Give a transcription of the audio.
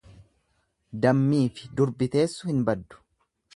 Dammiifi durbi teessu hin baddu.